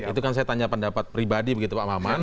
itu kan saya tanya pendapat pribadi begitu pak maman